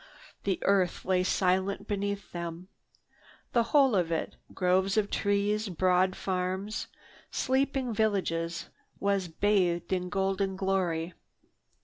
The earth lay silent beneath them. The whole of it, groves of trees, broad farms, sleeping villages, was bathed in golden glory.